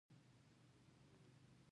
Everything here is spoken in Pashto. ما ورته وویل: نه، ما بله ښځه نه ده کړې.